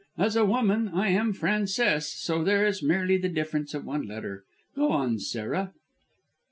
As a woman I am Frances, so there is merely the difference of one letter. Go on, Sarah."